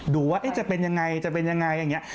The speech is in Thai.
ดูว่าจะเป็นยังไง